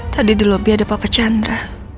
tadi di lobby ada papa chandra